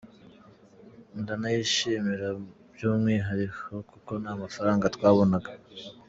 Ndanayishimira by’umwihariko kuko nta mafaranga twabonaga.